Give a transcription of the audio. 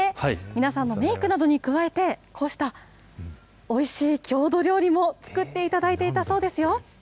皆さんのメークなどに加えて、こうしたおいしい郷土料理も作っていただいていたそうですよ。